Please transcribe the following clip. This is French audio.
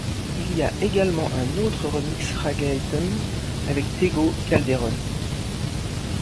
Il y a également un autre remix reggaeton avec Tego Calderón.